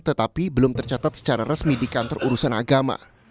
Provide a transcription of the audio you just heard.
tetapi belum tercatat secara resmi di kantor urusan agama